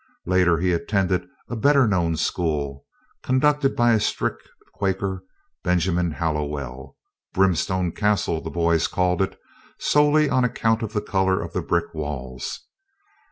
Later he attended a better known school, conducted by a strict Quaker, Benjamin Hallowell Brimstone Castle, the boys called it, solely on account of the color of the brick walls.